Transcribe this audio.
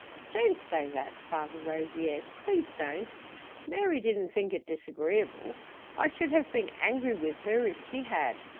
"Don't say that, Father Rogier. Please don't. Mary didn't think it disagreeable. I should have been angry with her if she had.